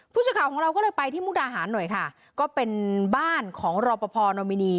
ผู้สื่อข่าวของเราก็เลยไปที่มุกดาหารหน่อยค่ะก็เป็นบ้านของรอปภนอมินี